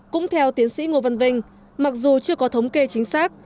cũng theo tiến sĩ ngô văn vinh mặc dù chưa có thống kê chính xác